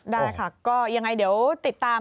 ได้ค่ะก็ยังไงเดี๋ยวติดตาม